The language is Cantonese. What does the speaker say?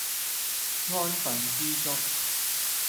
安分知足